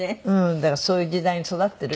だからそういう時代に育ってる。